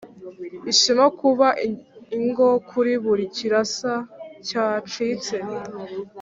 ishema kuba ingo kuri buri kirasa cyacitse,